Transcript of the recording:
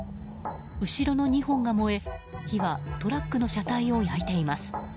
後ろの２本が燃え、火はトラックの車体を焼いています。